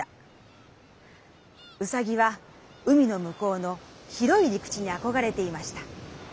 うさぎは海のむこうの広いりく地にあこがれていました。